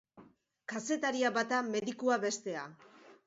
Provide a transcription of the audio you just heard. Kazetaria bata, medikua bestea.